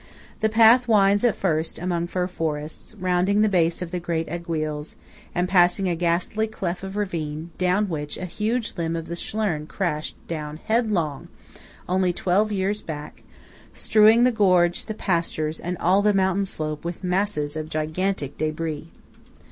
The path winds at first among fir forests, rounding the base of the great Aiguilles, and passing a ghastly cleft of ravine down which a huge limb of the Schlern crashed down headlong, only twelve years back, strewing the gorge, the pastures, and all the mountain slope with masses of gigantic débris.